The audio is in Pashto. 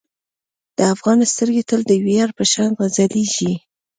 د افغان سترګې تل د ویاړ په شان ځلیږي.